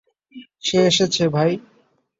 সে এসেছে, ভাই!